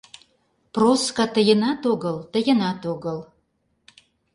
Проска тыйынат огыл, тыйынат огыл.